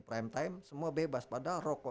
prime time semua bebas pada rokok